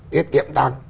tiết kiệm tăng